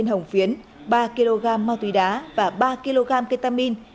trong tuyến ba kg ma túy đá và ba kg ketamin